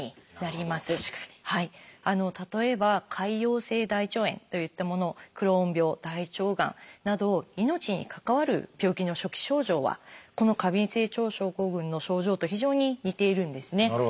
例えば潰瘍性大腸炎といったものクローン病大腸がんなど命に関わる病気の初期症状はこの過敏性腸症候群の症状と非常に似ているんですね。